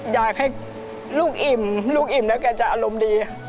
อยากให้ลูกอิ่มลูกอิ่มแล้วแกจะอารมณ์ดี